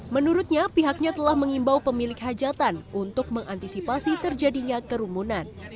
menurutnya pihaknya telah mengimbau pemilik hajatan untuk mengantisipasi terjadinya kerumunan